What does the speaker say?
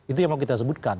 itu yang mau kita sebutkan